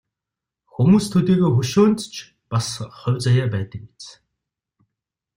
Хүмүүст төдийгүй хөшөөнд ч бас хувь заяа байдаг биз.